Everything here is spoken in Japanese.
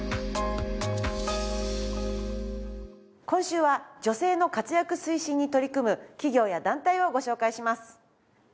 今週は女性の活躍推進に取り組む企業や団体をご紹介します。